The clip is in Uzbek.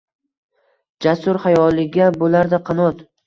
Jasur xayoliga bo’lardi qanot